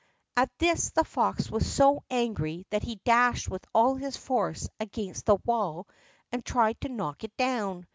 At this the fox was so angry that he dashed with all his force against the wall and tried to knock it down.